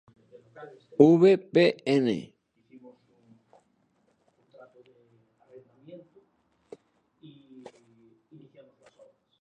A partir de entonces, comenzó su carrera en el teatro Hindi en Delhi.